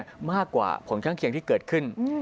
ที่ได้รับมากกว่าผลข้างเคียงที่เกิดขึ้น